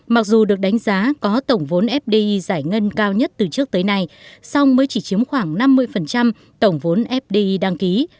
mặc dù được đánh giá có tổng vốn fdi giải ngân cao nhất từ trước tới nay song mới chỉ chiếm khoảng năm mươi tổng vốn fdi đăng ký